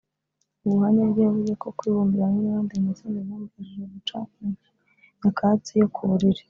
mu buhamya bwe yavuze ko kwibumbira hamwe n’abandi mu matsinda byamufashije guca nyakatsi yo kuburiri